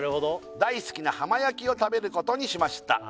「大好きな浜焼きを食べることにしました」